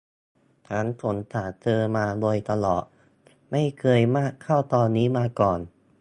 ฉันสงสารเธอมาโดยตลอด ไม่เคยมากเท่าตอนนี้มาก่อน